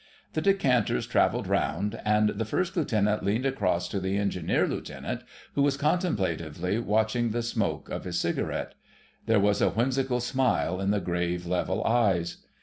The decanters travelled round, and the First Lieutenant leaned across to the Engineer Lieutenant, who was contemplatively watching the smoke of his cigarette. There was a whimsical smile in the grave, level eyes.